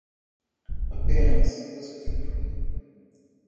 Apenas use o telefone.